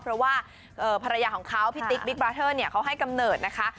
เพราะว่าภรรยาของเขาพี่ติ๊กบิ๊กบราเทอร์เนี่ยเขาให้กำเนิดนะคะ